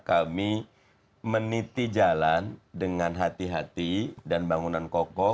kami meniti jalan dengan hati hati dan bangunan kokoh